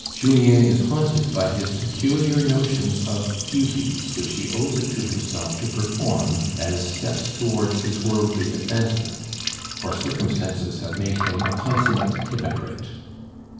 Julien is haunted by his peculiar notions of duties which he owes it to himself to perform as steps towards his worldly advancement; for circumstances have made him a consummate hypocrite.